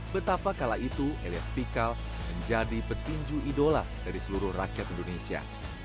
betapa kala itu elias pikal menjadi petinju idola dari seluruh rakyat indonesia